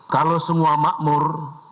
kalau semua makmur